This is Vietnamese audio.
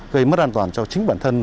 gây mất an toàn cho chính bản thân